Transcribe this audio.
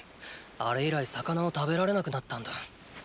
あれ以来魚を食べられなくなったんだ。